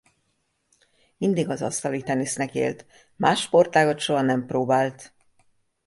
Mindig az asztalitenisznek élt más sportágat soha nem próbált.